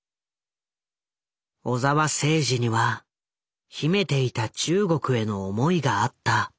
小澤征爾には秘めていた中国への思いがあった。